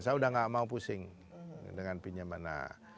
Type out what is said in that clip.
saya udah gak mau pusing dengan pinjamannya